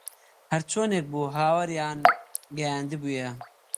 هەرچۆنێک بوو هاواریان گەیاندبوویە